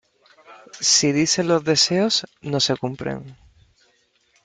si dices los deseos , no se cumplen .